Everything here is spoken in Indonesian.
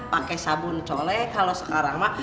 pake sabun cole kalo sekarang mah